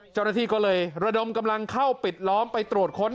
เจ้าหน้าที่ก็เลยระดมกำลังเข้าปิดล้อมไปตรวจค้น